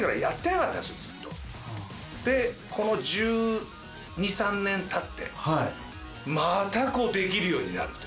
でこの１２１３年たってまたできるようになるというね。